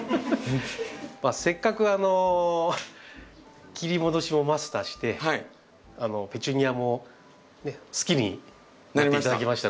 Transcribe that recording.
せっかく切り戻しもマスターしてペチュニアも好きになって頂きましたので。